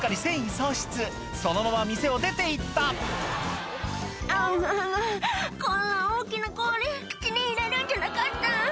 喪失そのまま店を出ていった「あんこんな大きな氷口に入れるんじゃなかった」